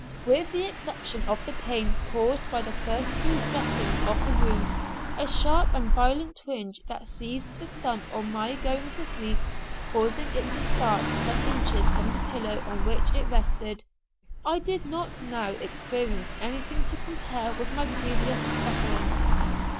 With the exception of the pain caused by the first few dressings of the wound, and a sharp violent twinge that seized the stump on my going to sleep, causing it to start some inches from the pillow on which it rested, I did not now experience anything to compare with my previous, sufferings.